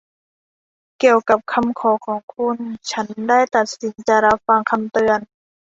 เกี่ยวกับคำขอของคุณ ฉันได้ตัดสินจะรับฟังคำเตือน